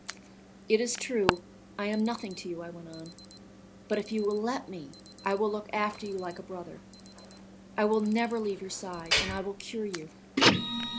"It is true I am nothing to you," I went on, "but if you will let me, I will look after you like a brother, I will never leave your side, and I will cure you.